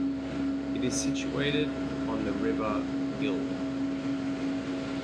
It is situated on the river Ill.